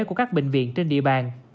của các bệnh viện trên địa bàn